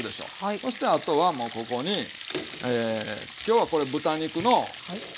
そしてあとはもうここに今日はこれ豚肉の肩ロースかな？